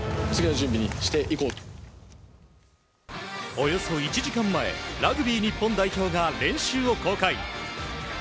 およそ１時間前ラグビー日本代表が練習を公開。